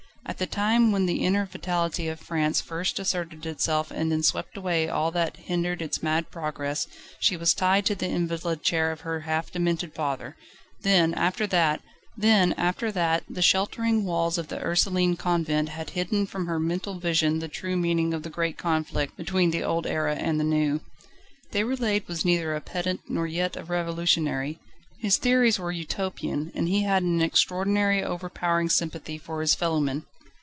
At the time when the inner vitality of France first asserted itself and then swept away all that hindered its mad progress, she was tied to the invalid chair of her half demented father; then, after that, the sheltering walls of the Ursuline Convent had hidden from her mental vision the true meaning of the great conflict, between the Old Era and the New. Déroulède was neither a pedant nor yet a revolutionary: his theories were Utopian and he had an extraordinary overpowering sympathy for his fellow men.